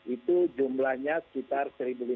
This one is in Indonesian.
itu jumlahnya sekitar satu lima ratus